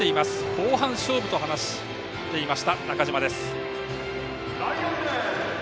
後半勝負と話していました中島。